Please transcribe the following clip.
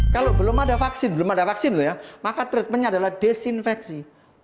kalau belum ada vaksin maka treatmentnya adalah desinfeksi